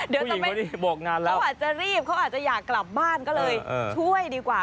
เดี๋ยวทำไมเขาอาจจะรีบเขาอาจจะอยากกลับบ้านก็เลยช่วยดีกว่า